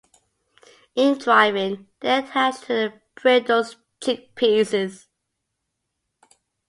In driving, they are attached to the bridle's cheekpieces.